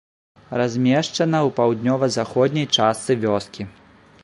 Размешчана ў паўднёва-заходняй частцы вёскі.